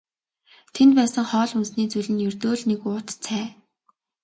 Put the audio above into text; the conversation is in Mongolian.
Тэнд байсан хоол хүнсний зүйл нь ердөө л нэг уут цай.